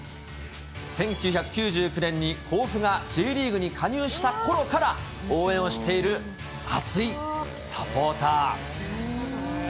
１９９９年に甲府がＪリーグに加入したころから応援をしている熱いサポーター。